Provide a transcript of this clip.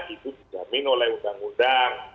itu dijamin oleh undang undang